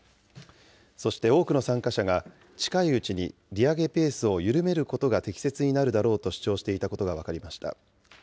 そして多くの参加者が、近いうちに利上げペースを緩めることが適切になるだろうと主張していたことが分かりました。